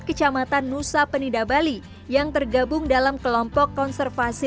kecamatan nusa penida bali yang tergabung dalam kelompok konservasi